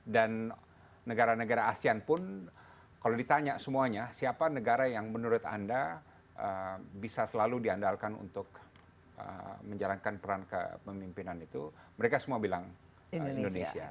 dan negara negara asean pun kalau ditanya semuanya siapa negara yang menurut anda bisa selalu diandalkan untuk menjalankan peran kepemimpinan itu mereka semua bilang indonesia